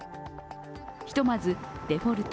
ひとまずデフォルト＝